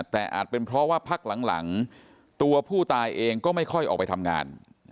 แต่อาจเป็นเพราะว่าพักหลังตัวผู้ตายเองก็ไม่ค่อยออกไปทำงาน